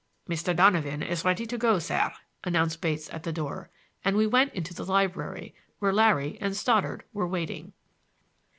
"Mr. Donovan is ready to go, sir," announced Bates at the door, and we went into the library, where Larry and Stoddard were waiting.